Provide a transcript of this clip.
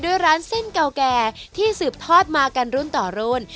ร้านเส้นเก่าแก่ที่สืบทอดมากันรุ่นต่อรุ่น